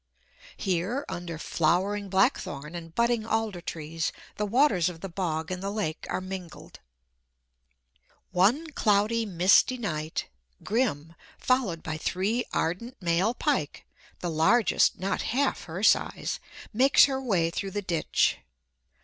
Here, under flowering blackthorn and budding alder trees, the waters of the bog and the lake are mingled. One cloudy, misty night, Grim, followed by three ardent male pike, the largest not half her size, makes her way through the ditch.